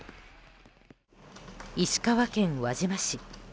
石川県輪島市。